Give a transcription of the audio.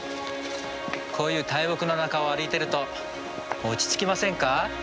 こういう大木の中を歩いてると落ち着きませんか？